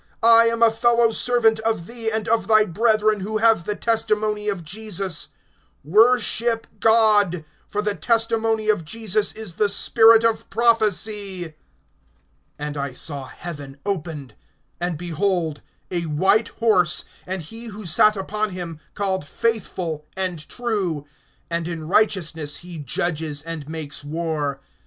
I am a fellow servant of thee and of thy brethren who have the testimony of Jesus; worship God. For the testimony of Jesus is the spirit of prophecy. (11)And I saw heaven opened, and behold a white horse, and he who sat upon him, called Faithful and True; and in righteousness he judges, and makes war.